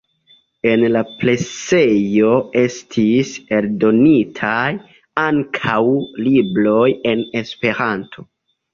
En la presejo estis eldonitaj ankaŭ libroj en Esperanto.